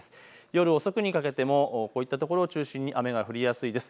夜にかけてもこういったところを中心に雨が降りやすいです。